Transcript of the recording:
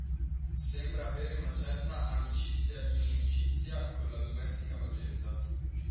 Sembra avere una certa amicizia inimicizia con la domestica Magenta.